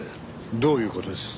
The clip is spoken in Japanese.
どういう事です？